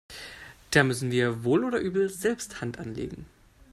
Da müssen wir wohl oder übel selbst Hand anlegen.